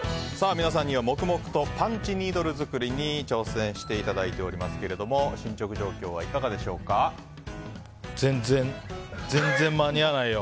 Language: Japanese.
皆さんには黙々とパンチニードル作りに挑戦していただいておりますけれども全然間に合わないよ。